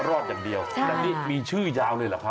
พระรอดยอดมหาเสถีวันนี้มีหนึ่งท่านผู้โชคดีที่จะได้รับไปนะคะ